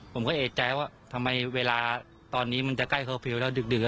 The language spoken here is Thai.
ผมก็เอกใจว่าทำไมเวลาตอนนี้มันจะใกล้เคอร์ฟิลล์แล้วดึก